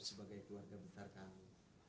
sebagai keluarga besar kami